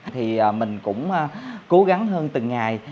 thì mình cũng cố gắng hơn từng ngày